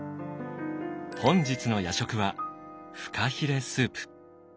本日の夜食はフカヒレスープ。